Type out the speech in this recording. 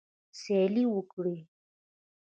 سیالي وکړئ